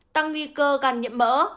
tăng nguy cơ gan nhiễm mỡ